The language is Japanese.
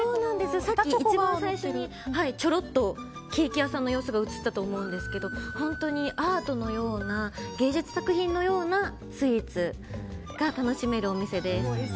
さっき一番最初にちょっとケーキ屋さんの様子が映ったと思うんですけど本当にアートのような芸術作品のようなスイーツが楽しめるお店です。